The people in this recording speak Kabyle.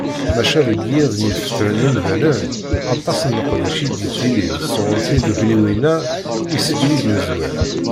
Maca deg yiḍ mi fetren yimdanen, aṭas n leqdic i d-yettilin sɣur tiddukkliwin-a iseg i d-nezwar.